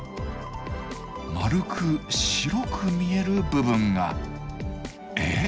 円く白く見える部分が！え？